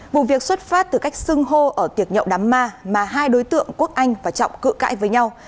vụ việc xuất phát từ cách sưng hô ở tiệc nhậu đám ma mà hai đối tượng quốc anh và trọng cự cãi với nhau